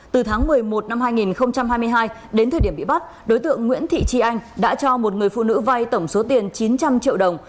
từ tháng một mươi một năm hai nghìn hai mươi hai đến thời điểm bị bắt đối tượng nguyễn thị trì anh đã cho một người phụ nữ vai tổng số tiền chín trăm linh triệu đồng